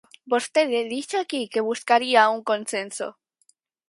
Vostede dixo aquí que buscaría un consenso.